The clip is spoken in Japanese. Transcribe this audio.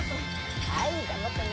はい！頑張ったね。